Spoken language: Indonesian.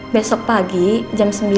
besok pagi jam sembilan